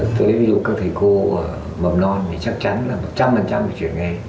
tôi biết ví dụ các thầy cô mầm non thì chắc chắn là một trăm linh phải chuyển nghề